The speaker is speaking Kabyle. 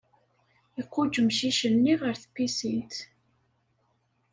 Iquǧǧ amcic-nni ɣer tpisint.